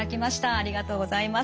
ありがとうございます。